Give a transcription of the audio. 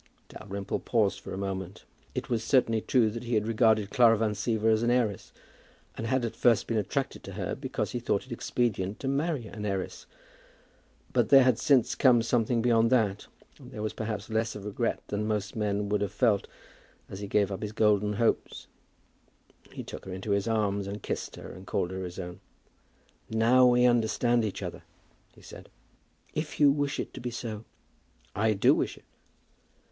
Dalrymple paused for a moment. It was certainly true that he had regarded Clara Van Siever as an heiress, and had at first been attracted to her because he thought it expedient to marry an heiress. But there had since come something beyond that, and there was perhaps less of regret than most men would have felt as he gave up his golden hopes. He took her into his arms and kissed her, and called her his own. "Now we understand each other," he said. "If you wish it to be so." "I do wish it."